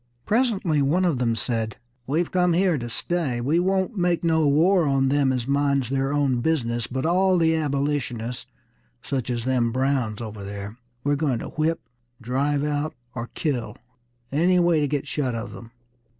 Presently one of them said: "We've come here to stay. We won't make no war on them as minds their own business; but all the Abolitionists, such as them Browns over there, we're going to whip, drive out, or kill, any way to get shut of them!"